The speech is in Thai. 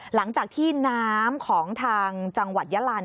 หลังจากที่น้ำของทางจังหวัดยาลา